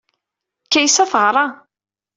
Kaysa teɣra.